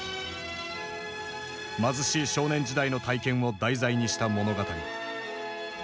貧しい少年時代の体験を題材にした物語。